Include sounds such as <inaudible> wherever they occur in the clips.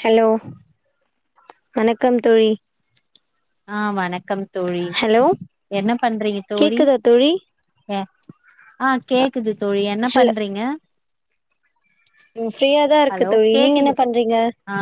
hello வணக்கம் தோழி ஆ வணக்கம் தோழி ஹலோ என்ன பண்றீங்க தோழி கேக்குதா தோழி அ கேக்குது தோழி என்ன பண்றீங்க ஃரீயா தா இருக்க ஹலோ தோழி நீங்க என்ன கேக்குது பண்றீங்க ஆ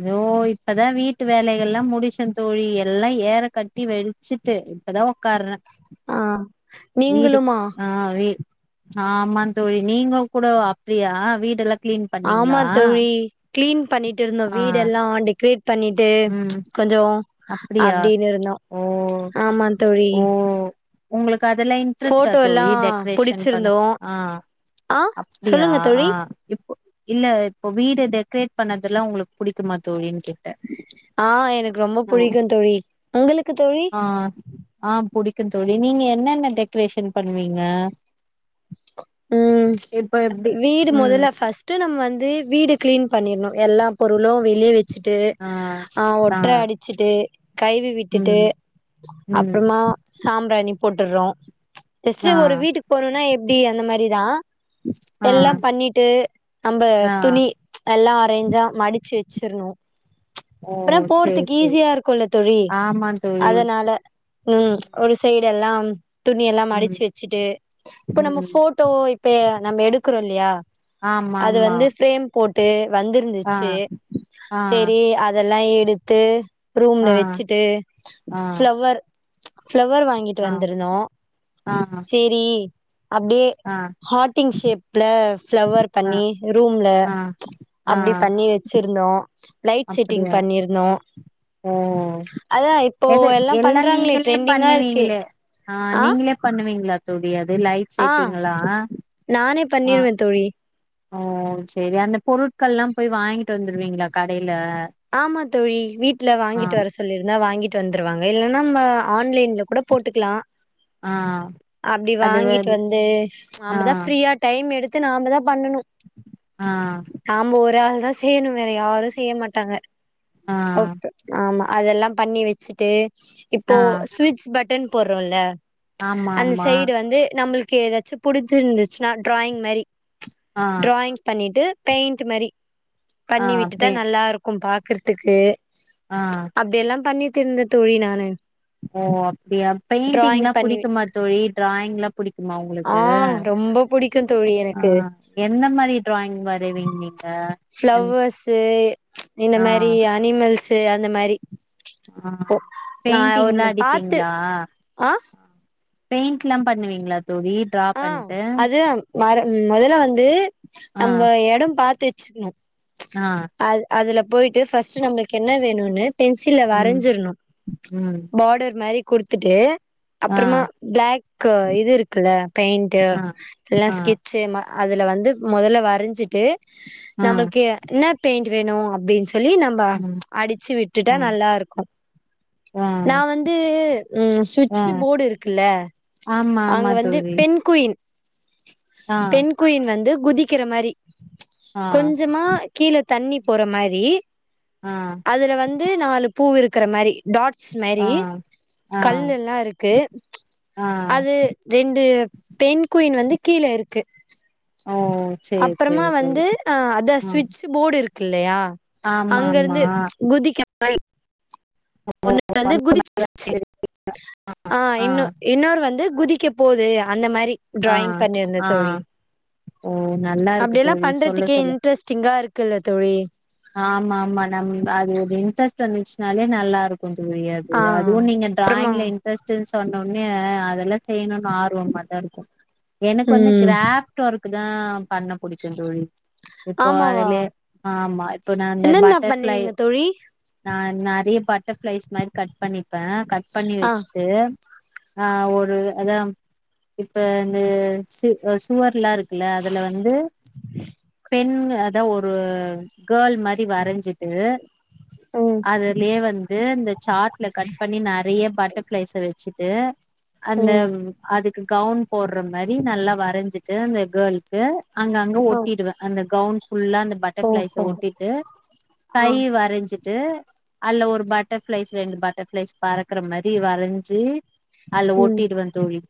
இதோ இப்பதா வீட்டு வேலைகள்லா முடிச்சந் தோழி எல்லாம் ஏற கட்டி வெச்சிட்டு இப்பதான் உக்காருறேன் ஆ வீடு நீங்களுமா ஆஹ் வீடு ஆஹ் ஆமா தோழி நீங்க கூட அப்டியா வீடு எல்லாம் கிளீன் ஆமா பண்ணீங்களா தோழி கிளீன் பண்ணிட்டு இருந்தோம் ஆ வீடுல்லாம் டெக்ரேட் பண்ணிட்டு கொஞ்சம் அப்படியா ஓ ஆமா தோழி ஓ உங்களுக்கு அதெல்லாம் இன்ட்ரெஸ்ட்டா போட்டோ எல்லா தோழி டெக்ரேஷன் பண்ண புடிச்சிருந்தோ ஆஹ் ஆ அப்டியா சொல்லுங்க ஆ தோழி இப்போ இல்ல இப்போ வீடு டெக்ரேட் பண்ணதெல்லாம் உங்களுக்கு புடிக்குமா தோழின்னு கேட்டேன் ஆ எனக்கு ரொம்ப புடிக்கும் தோழி உங்களுக்கு தோழி ஆ ஆ புடிக்கும் தோழி நீங்க என்னென்ன டெக்ரேஷன் பண்வீங்க உம் வீடு ம் மொதல்ல ஃபர்ஸ்ட் ட்டு நம்ம வந்து வீடு கிளீன் பண்ணிறணும் எல்லா பொருளும் வெளியே வச்சு ட்டு ஆ ஆ ஒட்ற அடிச்சுட்டு கழுவி விட்டுட்டு ம் ம் அப்றமா சாம்ராணி போட்டுறோம் ஆ ஜஸ்ட்டு ஒரு வீட்டுக்கு போறனா எப்டி அந்த மாரி தா ஆ எல்லாம் பண்ணிட்டு நம்ம ஆ துணி எல்லா அரேஞ்சா மடிச்சு வச்சிரணும் ஓ அப்றம் சேரி போறதுக்கு சேரி ஈஸியா இருக்குல்ல தோழி ஆமா தோழி அதனால உம் ஒரு சைடு எல்லா துணி எல்லா ம் மடிச்சு வச்சுட்டு இப்ப நம்ம ம் போ டோம் இப்ப நம்ம எடுக்றோம் இல்லையா அது ஆமாமா வந்து ஃப்ரேம் போட்டு வந்திருந்துச்சு ஆ செரி அதெல்லாம் எடுத்து ரூம்ல ஆ வச்சுட்டு ஆ ஃப்ளவர் ஃப்ளவர் வா ங்கிட்டு ஆ வந்திருந்தோம் ஆ செரி அப்டியே ஆ ஹாட்டிங் ஷேப்ல ப்ளவர் ஆ பண்ணி ரூம்ல ஆ ஆ அப்டி பண்ணி வ ச்சிருந்தோம் லைட் செட்டிங் அப்டியா பண்ணிருந்தோம் ஓ எது எல்லாம் பண்றாங்களே நீங்களே ட்ரெண்டிங்கா இருக்கு பண்ணுவீங்களே ஆ நீங்க ளே பண்ணுவீங்களா தோழி அது லைட் ஆ செட்டிங்களாம் நானே பண்ணிருவேன் தோழி ஓ செரி அந்த பொருட்கள்லாம் போய் வாங்கிட்டு வந்துருவீங்களா கடைல ஆமா தோழி வீட்ல வாங்கிட்டு வர சொல்லிருந்தா வாங்கிட்டு வந்துருவாங்க இல்லனா நம்ம ஆன்லைன்ல கூட போட்டுக்லாம் ஆ அப்டி அது வாங்கிட்டு வந் வந்து ஆ நம்பதான் ஃப்ரீயா டைம் எடுத்து நாம தான் பண்ணனும் ஆ நாம ஒரு ஆள் தான் செய்யணும் வேற யாரும் செய்ய மாட்டாங்க ஆ ஆமா அதெல்லாம் பண்ணி வச்சுட்டு இப்போ ஆ சுவிட்ச் பட் டன் போறோம் ல ஆமா அந்த ஆமா சைடு வந்து நம்மளுக்கு எதாச்சு புடிஞ்சிருந்துச்சுன்னா டிராயிங் மாரி ஆ டிராயிங் பண்ணிட்டு பெயிண்ட் மாரி ஆ பண்ணி விட்டுடா பே நல்லா இருக்கும் பாக்கறதுக்கு ஆ அப்டி எல்லாம் பண்ணிட்ருந்தேன் தோழி நானு ஓ அப்டியா டிராயிங் பெயிண்டிங்ல்லாம் பண்ணி புடிக்குமா தோழி டிராயிங்ல்லாம் புடிக்குமா ஆ உங்களுக்கு ரொம்ப புடிக்குந் தோழி எனக்கு என்ன மாரி ட்ராயிங் வரைவீங்க ஃப்ளவர்ஸு இந்த ஆ மாரி அனிமல்ஸு அந்த மாரி ஆ ப்போ நா பெயிண்டிங்லா ஒண்ணு பாத்து அடிப்பீங்களா ஆ பெயிண்ட்லா பண்ணுவீங்ளா தோழி ட்ரா ஆ அது மர மொதல்ல வந்து ஆ நம்ப எடம் பாத்துச்சுக்ணு ஆ அத் அதுல போயிட்டு ஃபர்ஸ்ட் நம்ளுக்கு என்ன வேணுன்னு பென்சில்ல ம் வரஞ்சிர்ணு ம் பாடர் மாரி குடுதுட்டு ஆ அப்புறமா பிளாக்க் இது இருக்குல பெயிண்ட்டு ஆ இல்ல ஆ ஸ்கெச் சும அதுல வந்து மொதல்ல வரஞ்சிட்டு ஆ நம்மளுக்கு என்ன பெயிண்ட் வேணு அப்டின் சொல்லி நம்ம ம் அடிச்சு விட்டுடா ம் நல்லா இருக்கும் ஆ நா வந்து ஆ ஸ்விட்சு போடு இருக்குல்ல ஆமா அங்க ஆமா வந்து தோழி பெண் குயின் ஆ பெண் குயின் வந்து குதிக்கிற மாரி ஆ கொஞ்சமா கீழ தண்ணி போற மாரி ஆ அதுல வந்து நாலு பூ இருக்கிற மாரி டாட்ஸ் ஆ மாரி ஆ கல்லு எல்லா இருக்கு ஆ அது ரெண் டு பெண் குயின் வந்து கீழ இருக்கு ஓ சேரி அப்பறமா சேரி தோழி வந்து ஆ அத ம் ஸ்விட்சு போடு இருக்கு இல்லையா ஆமா ஆமா அங்கருந்து குதிக்கு ஒன்னு வந்து குதிசிச்சி ஆ இன்னு இன்னொரு வந்து குதிக்க போது அந்த மாரி ஆ ட்ராயிங் பண்ணிருந்த ஆ தோழி ஓ நல்லா இருக்கு அப்டியெல்லா தோழி சொல்ல பண்றதுக்கே சொல்ல இன்ட்ரஸ்டிங்கா இருக்குல்ல தோழி ஆம்மா ஆம்மா நம் அது ஒரு இன்ட்ரெஸ்ட் வந்துச்சுனாலே நல்லாருக் கொஞ்ச முயாது ஆ எதாவு நீங்க அப்புறமா ட்ராயிங்ல ட்ரெஸ்டுன்னு சொன்னோனயே அதெல்லா செய்யணுன் ஆர்வமாதா இருக்கூ எனக்கு வந்து ம் கிராஃப்ட் ஒர்க்குதா பண்ண புடிக்குந் தோழி இப்போ ஆமாவா ஆதுலே ஆம்மா இப்போ நா அந்த என்னென்ன பட்டர்ஃப்ளை பண்ணுவீங்க தோழி நா நறைய பட்டர்ஃபிளைஸ் மாரி கட் பண்ணிப்பே கட் பண்ணி ஆ வச்சுட்டு ஆ ஒரு அதா இப்ப இந்த சி சுவர்லா இருக்குல்ல அதுல வந்து உஹ <unintelligible> பெண் அத ஒரு கேள் மாரி வரஞ்சுட்டு ம் அத இதுலயே வந்து இந்த சாட்ல கட் பண்ணி நறைய பட்டர்ஃபிளைஸ வச்சுட்டு அந்த ம் அதுக்கு கவுன் போட்ற மாரி நல்லா வரைஞ்சிட்டு அந்த கேல்கு அங்க அங்க ஓ ஒட்டிடுவே அந்த கவுன் ஃபுல்லா அந்த பட் பட்டர்ஃப்ளைஸ ஓஹோ ஒட்டிட்டு கை ஆ வரஞ்சிட்டு அல்ல ஒரு பட்டர்ஃபிளைஸ் ரெண்டு பட்டர்ஃபிளைஸ் பறக்குற மாரி வரஞ்சி அதுல ம் ஓட்டிடுவ தோழி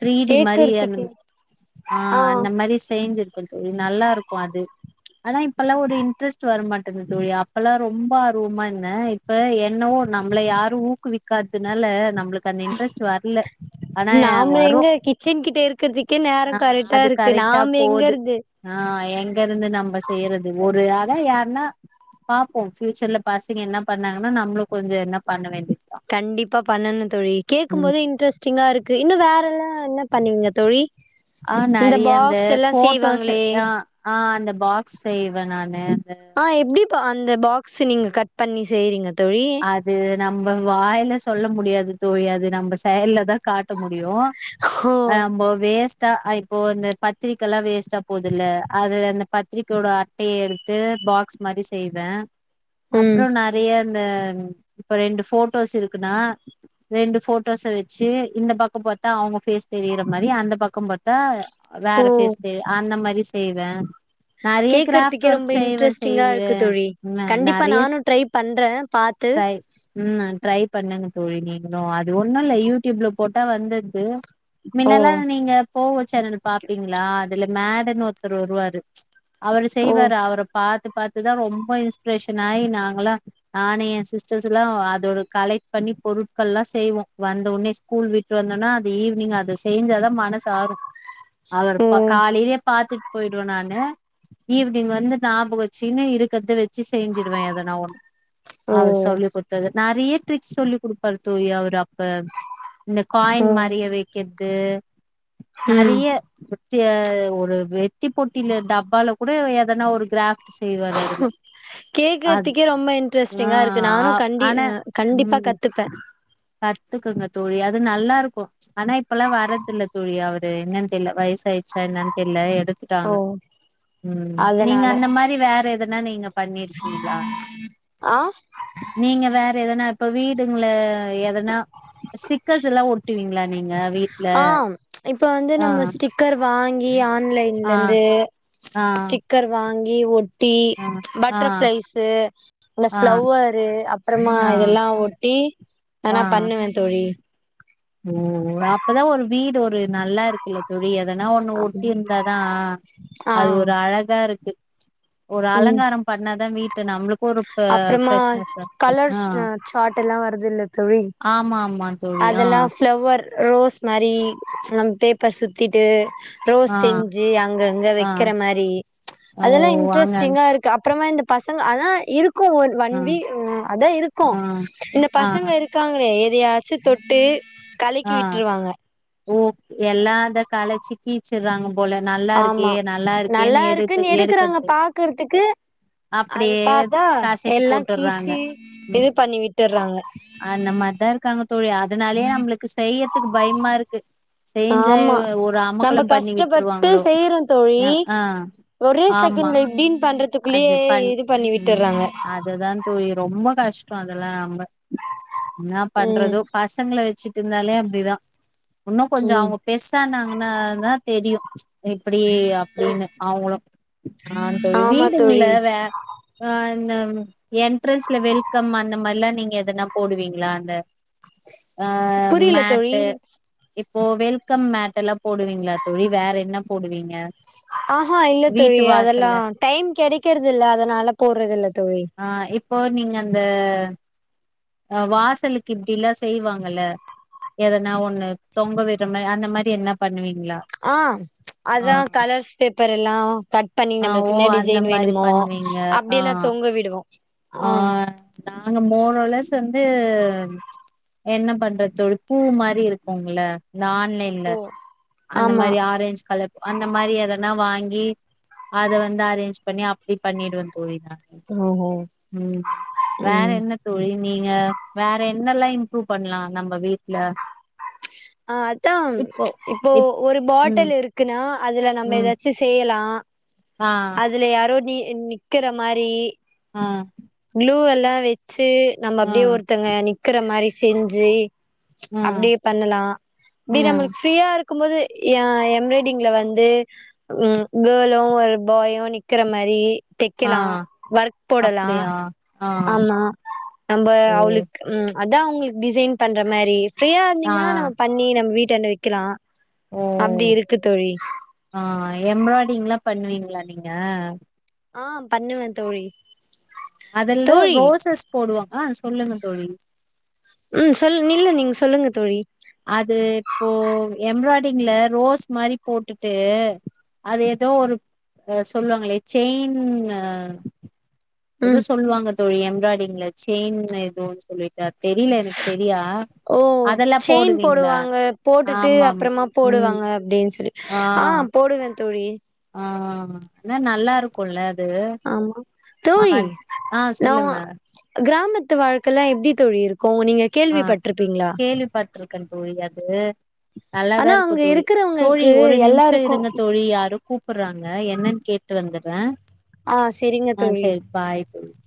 த்ரீடி மாரி அந்த கேக்குறதுக்கே ஆ அந்த மாரி செஞ்சிருக்க தோழி நல்லா இருக்கூ அது ஆனா இப்பல்லா ஒரு இன்ட்ரெஸ்ட் வரமாடேந்து தோழி அப்பெல்லா ரொம்ப ஆர்வமா இருந்தே இப்ப என்னவோ நம்மள யாரு ஊக்குவிக்காத்னால நம்லுக்கு அந்த இன்ட்ரெஸ்ட் வர்ல நாம எங்க கிசன் கிட்ட இருகறதுக்கே ஆ நேரம் கரெக்டா அது இருக்கு கரெக்டா நாம எங்க போது இருந்து ஆ எங்க இருந்து நம்ம செய்யறது ஒரு ஆக யாருன்னா பாப்போம் பியூசர்ல பாசங்க என்ன பண்ணாங்கனா நம்மளு கொஞ்ச என்ன பண்ண வேண்டியது கண்டிப்பா பண்ணணு தோழி ம் கேட்கபோதே இன்ட்ரெஸ்டிங்கா இருக்கு இன்னும் வேற எல்லா என்ன பண்ணுவீங்க தோழி ஆ இந்த நிறைய அந்த பாக்ஸ் எல்லா போட்டோஸ் செய்வாங்களே ஆ ஆ அந்த பாக்ஸ் செய்வ நானெ அந்த ஆ எப்படி அந்த பாக்ஸ் நீங்க கட் பண்ணி செய்யறீங்க தோழி அது நம்ம வாயில சொல்ல முடியாது தோழி அது நம்ம செயல்லதா காட்ட முடியும் ஓ ஆ அம்மொ வேஸ்டா ஐபோ பத்திரிக்கலா வேஸ்ட்தா போதுல அது அந்த பத்திரிக்கையோட அட்டைய எடுத்து பாக்ஸ் மாரி செய்வ ம் அப்புறம் நிறைய இந்த இப்ப ரெண்டு போடோஸ் இருக்குனா ரெண்டு போடோஸ வச்சு இந்த பக்கம் பாத்தா அவங்க பேஸ் தெரியற மாரி அந்த பக்கம் பாத்தா வேற ஓ பேஸ் தெரி அந்த மாரி செய்வ நறைய கிராப்ட் கேக்குறதுக்கே ரொம்ப ஒர்க் செய்வ செய் இன்ட்ரெஸ்டிங்கா இருக்கு தோழி கண்டிப்பா நறைய நானு ட்ரை பண்ற பாத் தை ம் ட்ரை பண்ணுங்க தோழி நீங்களு அது ஒண்ணு இல்ல யூ ட்யூப்ல போட்டா வந்துது ஓ முன்னலா நீங்க போக சேனல் பாப்பீங்களா அதுல மேடுன்னு ஒருத்தருவருவாரு அவரு ஓ செய்வாரு அவர பாத்து பாத்து தா ரொம்ப இன்பிரேஷன் ஆயி நாங்கலா நானு எ சிஸ்டர்ஸ் எல்லா அதோட கலெட் பண்ணி பொருட்கள் எல்லா செய்வோ வந்த உடனே ஸ்கூல் விட்டு வந்தொன அத ஈவினிங் அத செஞ்சாதா மனசு ஆரும் அவர் ஓ காலை லியே பாத்துட்டு போயிடுவ நானு ஈவினங் வந்து ஞாபக வச்கினு இருகறத வச்சி செஞ்சிடுவே எதனா ஒண்ணு ஓ அவரு சொல்லி கொடுத்தது நறைய ட்ரிக்ஸ் சொல்லி கொடுப்பாரு தோழி அவரு அப்ப இந்த ஓ காயின் மாரிய வைகிறது நறைய வெத்திய ஒரு வெத்தி போட்டி டப்பால கூட எதனா ஒரு கிராப்ட் செய்வாரு அதல கேகுறதுகே ரொம்ப ஆ இன்ட்ரெஸ்டிங்கா இருக் ஆ நானும் கண்டி கண்டிபா கத்துப்பே கத்துகுங்க தோழி அது நல்லா இருக்கு ஆனா இப்பலா வரதில்ல தோழி அவரு என்னன்னு தெரியல வயச ஆயி ன என்னன்னு தெரியல ஓ ம் நீங்க அதனால அந்த மாரி வேற எதனா நீங்க பண்ணிருகீங்களா ஆ நீங்க வேற எதனா இப்ப விடுங்க எதனா சிடிக்கர்ஸ் எல்லா ஒட்டுவீங்களா நீங்க வி ஆ இப்ப வந்து நம்ம ஸ்டிக் டிக்கர் வாங்கி ஆன்லைன்ல ஆ இருந்து ஆ ஸ்டிக்கர் வாங்கி ஒட் டி ஆ ஆ பட்டர்ஃப்ளைஸ அந்த ஆ பிளவரு அப்பறமா ஆ இதெல்லா ஒட்டி எதுனா பண்ணுவ தோழி உம் அப்பதா ஒரு வீடு ஒரு நல்லா இருக்குல தோழி எதனா ஒண்ணு ஒட்டி இருந்தாதா ஆ அது ஒரு அழகா இருக்கு ஒரு ம் அலங்கார பண்ணாதா வீட் நம்மளுக்கு ஒரு அப்புறமா பிரஷ்னஸ்க் இருக்க ஆ கலர்ஸ் சார்ட் எல்லா வருதுல்ல தோழி ஆமா ஆமா தோழி ஆ அதெல்லா பிளவர் ரோஸ் மாரி பேப்பர் சுத்திட்டு ரோஸ் ஆ செஞ்சி அங்கங்க ஆ வைகிற மாரி ஓ அதெல்லா வாங்க இன்ட்ரெஸ்டிங்கா இருக் அப்றமா இந்த பசங்க அதா இருக்கு ஒரு ஆ வண்டி அ அதா இருக்கு ஆ இந்த ஆ பசங்க இருக்காங்களே எதையாச்சு தொட்டு ஆ கலக்கி விட்டுருவாங்க ஓ எல்லா அத கலச்சி கீச்சிறாங்க போல நல்லா இருக்கே ஆமா நல்லா இருகேன் எடு இருக்குன்னு எடுக்குறாங்க எடுகறது பாக்குறதுக்கு அது அப்படியே பாத்தா காசக்கி எல்லா போட்டுறாங்க கீச்சி ம் இது பண்ணி விட்டுறாங்க அந்த மாரிதா இருகாங்க தோழி அதனாலயே நம்ளுக்கு செய்யதுக் பயமா இருக்கு செய்ஞ்சா ஆமா ஒரு நம்ம அமகளம் பண்ணி கஷ்டப்பட்டு விட்டுருவாங்களோ செய்யறோ தோழி அ ஆ ஒரே ஆமா செகண்ட்ல இப்டின் பண்றதுகுள்ளயே இது பண்ணி விட்டறாங்க அததா தோழி ரொம்ப கஷ்டொ அதெல்லா நம்ப என்ன ம் பண்றதோ பச பசங்கள வச்சிட்டு இருந்தாலே அப்டிதா உன்னு கொஞ்ச ம் அவங்க பெர்சானாங்ன்னா தா தெரியு இப்டி அப்டினு அவங்களு ஆ தோழி ஆமா தோழி வீடுங்கல ஆ இந்த என்ட்ரன்ஸ்ல வெல்கம் அந்த மாரில்லா நீங்க எதனா போடுவீங்களா அந்த ஆ புரியல தோழி மேட்டு இப்போ வெல்கம் மேட்டு எல்லா போடுவீங்களா தோழி வேற என்ன போடுவீங்க ஆஹா இல்ல தோழி வீட்டு அதெல்லா வாசல்ல டைம் கெடைக்கறது இல்ல அதனால போறது இல்ல தோழி ஆ இப்போ நீங்க அந்த அ வாசலுக்கு இப்டிலா செய்வாங்கல எதனா ஒண்ணு தொங்க விடுற மாரி அந்த மாரி என்ன பண்ணுவீங்ளா ஆ அதா கலர்ஸ் பேப்பர் எல்லா கட் பண்ணி ஆ ஓ நம்மளுக்கு என்ன டிசை அந்த ஜெயின் மாரி வேணுமோ பண்ணுவீங்க ஆ அப்டி எல்லா தொங்க விடுவோ ஆ நாங்க மோறளஸ் வந்து என்ன பண்ற தோழி பூ மாரி இருக்குள நான்லைன்ல அந்த ஆமா மாரி ஆரஞ்ச் கலர் அந்த மாரி எதென்ன வாங்கி அத வந்து அரேஞ்ச் பண்ணி அப்டி பண்ணிடுவ தோழி நா ஓஹோ ம் வேற ம் என்ன தோழி நீங்க வேற என்னல்லா இம்ப்ரூவ் பண்லா நம்ம வீட்ல ஆ அதா இப்போ இப் ஒரு ம் பாட்டில் இருக்குன்னா அதுல நம்ம ம் ஏதாச் சு செய்யலா ஆ அதுல யாரோ நீ நிக்கிற மாரி ஆ குளூ எல்லா வச்சு நம்ம ஆ அப்டியே ஒருத்தங்க நிக்கிற மாரி செஞ்சு ஆ அப்டி பண்ணலா இப்டி நம்மளுக்கு ஃப்ரீயா இருக்கு போது ஏ எம்ப்ராய்டிங்ல வந்து ம் கேளோ ஒரு பாயோ நிக்கிற மாரி டெக் ஆ ஆ க்கலா ஒர்க் போடலா அப்டியா ஆ ஆமா நம்ப ஓ அவளுக் ம் அதா உங்களுக்கு டிசைன் பண்ற மாரி ஃப்ரீயா ஆ இருந்தீங்ன்னா நம்ம பண்ணி நம்ம வீட்டாண்ட விக்கலா ஓ அப்டி இருக்கு தோழி ஆ எம்ப்ராய்டிங்லா பண்ணுவீங்ளா நீங்க ஆ பண்ணுவ தோழி அதுல தோழி ரோசஸ் போடுவாங்க அத சொல்லுங்க தோழி ம் சொல் இல்ல நீங்க சொல்லுங்க தோழி அது இப்போ எம்ப்ராய்டரிங்ல ரோஸ் மாரி போட்டுட்டு அது ஏதோ ஒரு அ சொல்லுவாங்களே செயின்னு ஏதோ ம் சொல்லுவாங்க தோழி எம்ப்ராய்டிங்ல செயின் எதோன்னு சொல்லிட்டா தெரியில எனக்கு செரியா ஓ அதெல்லா செயின் போடுவாங்க போட்டுட்டு அப்புறமா ம் போடுவாங்க அப்டின்னு சொல்லி ஆ ஓடுவே தோழி ஆ ஆன நல்லாருக் கொள்ல அது ஆமா ஆ தோழி ஆ நா சொல்லுங்க கிராமத்து வாழ்க்கல்லா எப்டி தோழி இருக்கு நீங்க ஆ கேள்விப்பட்டிருப்பீங்களா கேள்விபட்டுருக்கே தோழி அது நல்லாதா ஆனா இருக்கு அங்க தோழி தோழி இருக்கிறவங்களுக்கு ஒரு நிமிஷோ எல்லாருக்கு இருங்க தோழி யாரும் கூப்புர்றாங்க என்னன்னு கேட்டு வந்தர்றே ஆ செரிங்க ஆ தோழி செரி பாய் தோழி